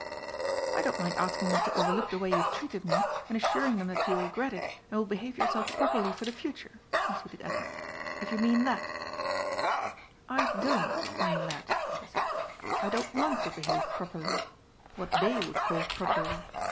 "I don't mind asking them to overlook the way you have treated me, and assuring them that you regret it and will behave yourself properly for the future," conceded Edna, "if you mean that." "I don't mean that," he said; "I don't want to behave properly what they would call properly.